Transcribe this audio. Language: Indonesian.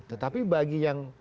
tetapi bagi yang